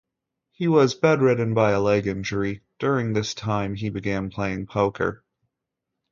He was bedridden by a leg injury; during this time he began playing poker.